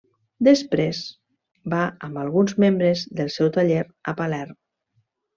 Després, va amb alguns membres del seu taller a Palerm.